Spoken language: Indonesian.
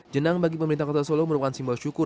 jenang bagi pemerintah kota solo merupakan simbol syukur